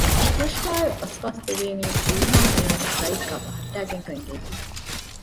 ނަޝްވާ އަށް ވަސްވާސް ދެވޭނީ ރީހާން އޭނާގެ ސައިޑްގައި ބަހައްޓައިގެން ކަން އެނގޭތީ